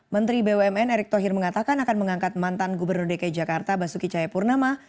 menteri bumn erick thohir mengatakan akan mengangkat mantan gubernur dki jakarta basuki cahayapurnama